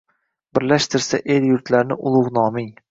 Birlashtirsa el-yurtlarni ulugʼ noming